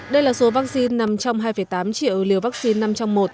đây là số vaccine nằm trong hai tám triệu liều vaccine năm trong một